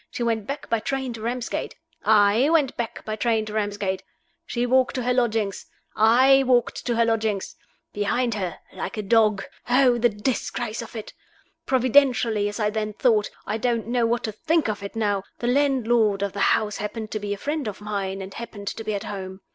She went back by train to Ramsgate. I went back by train to Ramsgate. She walked to her lodgings. I walked to her lodgings. Behind her. Like a dog. Oh, the disgrace of it! Providentially, as I then thought I don't know what to think of it now the landlord of the house happened to be a friend of mine, and happened to be at home.